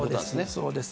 そうです。